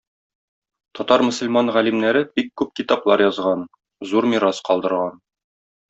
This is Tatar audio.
Татар мөселман галимнәре бик күп китаплар язган, зур мирас калдырган.